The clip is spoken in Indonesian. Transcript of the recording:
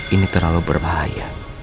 ini terlalu berbahaya